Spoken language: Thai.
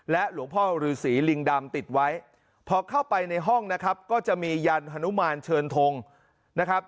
หลวงพ่อฤษีลิงดำติดไว้พอเข้าไปในห้องนะครับก็จะมียันฮนุมานเชิญทงนะครับ